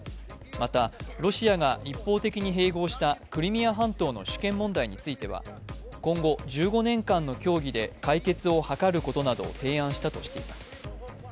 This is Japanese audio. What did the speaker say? またロシアが一方的に併合したクリミア半島の主権問題については今後１５年間の協議で解決を図ることなどを提案したとしています。